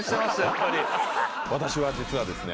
私は実はですね。